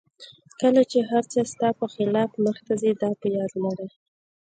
کله چې هر څه ستا په خلاف مخته ځي دا په یاد لره.